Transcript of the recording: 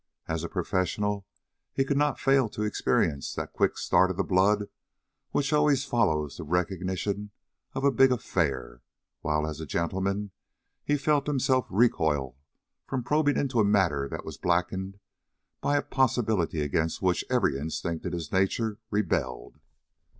As a professional, he could not fail to experience that quick start of the blood which always follows the recognition of a "big affair," while as a gentleman, he felt himself recoil from probing into a matter that was blackened by a possibility against which every instinct in his nature rebelled.